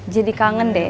jadi kangen deh